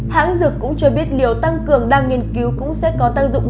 hãng dược cũng cho biết liều tăng cường đang nghiên cứu cũng sẽ có tăng dụng